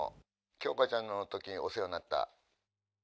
鏡花ちゃんのときにお世話になった。